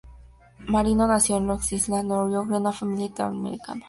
Marino nació en Long Island, New York, en una familia italo-americana.